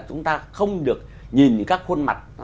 chúng ta không được nhìn các khuôn mặt